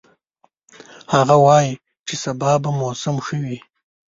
هغه وایي چې سبا به موسم ښه وي